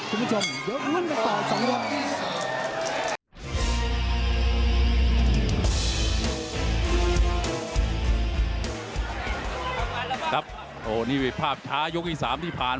คุณผู้ชมเดี๋ยววิ้นไปต่อ๒วัน